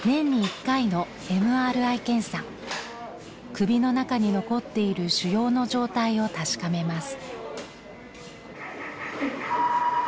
首の中に残っている腫瘍の状態を確かめます。